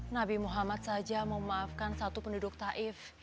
nabi muhammad saja memaafkan satu penduduk taif